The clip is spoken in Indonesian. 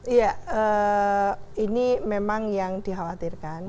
iya ini memang yang dikhawatirkan